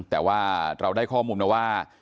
แต่ว่าเราได้ข้อมูลมาว่า